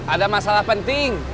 ada masalah penting